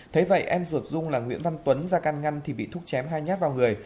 thế vậy em ruột dung là nguyễn văn tuấn ra can ngăn thì bị thúc chém hai nhát vào người